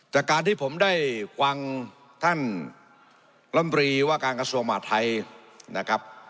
แต่การที่ผมได้ฟังท่านลำรีว่าการกระทรวงมหาทัยนะครับ